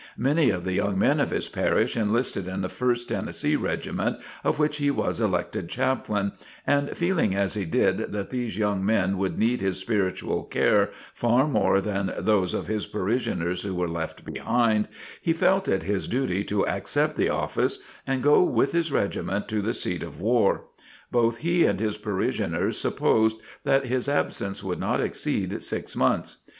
Many of the young men of his parish enlisted in the First Tennessee regiment, of which he was elected chaplain, and feeling as he did that these young men would need his spiritual care far more than those of his parishioners who were left behind, he felt it his duty to accept the office and go with his regiment to the seat of war. Both he and his parishioners supposed that his absence would not exceed six months.